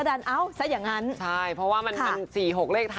ฑฟเสียหกเลขท้ายลอตเตอรี่น่ะค่ะ